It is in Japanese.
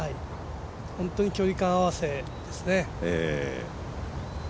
本当に距離感合わせですね。